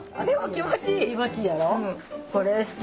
気持ちいいやろ。